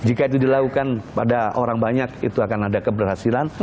jika itu dilakukan pada orang banyak itu akan ada keberhasilan